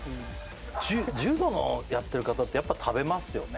柔道やってる方ってやっぱ食べますよね